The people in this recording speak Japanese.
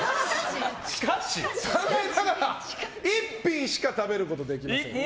残念ながら１品しか食べることができません。